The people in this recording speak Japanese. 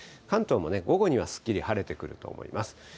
関東も午後にはすっきり晴れてくると思います。